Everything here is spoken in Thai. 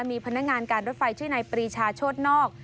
มีพนักงานการรถไฟชื่อนายปรีชาโชธนอก